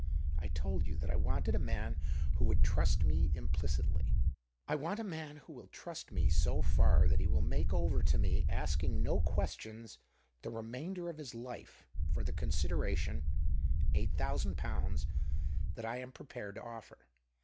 I told you that I wanted a man who would trust me implicitly. I want a man who will trust me so far that he will make over to me, asking no questions, the remainder of his life, for the consideration —eight thousand pounds — that I am prepared to offer.